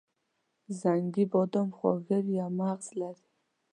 زنګي بادام خواږه وي او مغز لري.